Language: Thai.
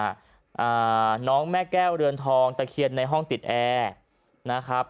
อ่าน้องแม่แก้วเรือนทองตะเคียนในห้องติดแอร์นะครับ